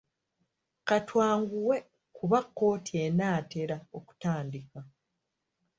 Ka twanguwe kuba kkooti enaatera okutandika.